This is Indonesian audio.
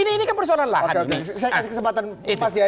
ini persoalan lahan ini